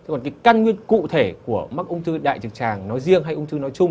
còn cái căn nguyên cụ thể của mắc ung thư đại trực tràng nói riêng hay ung thư nói chung